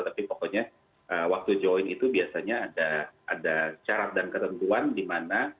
tapi pokoknya waktu join itu biasanya ada syarat dan ketentuan di mana